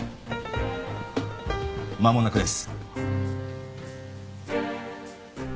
まもなくです。